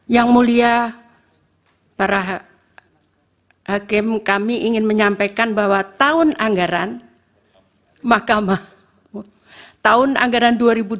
yang mulia para hakim kami ingin menyampaikan bahwa tahun anggaran dua ribu dua puluh tiga